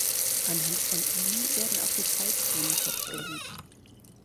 Anhand von ihnen werden auch die Zeitzonen festgelegt.